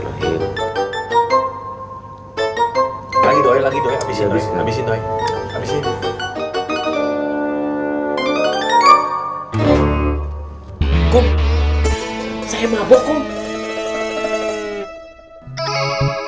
gelap kum juga gelap doi berarti kamu mabuk juga ya